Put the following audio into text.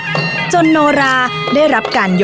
คุณผู้ชมอยู่กับดิฉันใบตองราชนุกูลที่จังหวัดสงคลาค่ะ